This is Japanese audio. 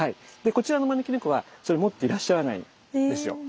こちらの招き猫はそれ持っていらっしゃらないんですよ。